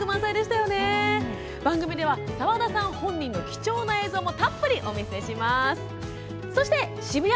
番組では沢田さん本人の貴重な映像もたっぷりお見せしますよ。